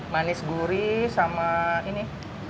manis gurih sama ini